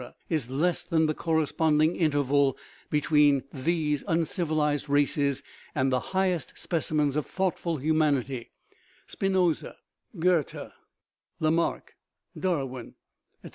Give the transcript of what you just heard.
is less than the corre sponding interval between these uncivilized races and the highest specimens of thoughtful humanity (Spi noza, Goethe, Lamarck, Darwin, etc.).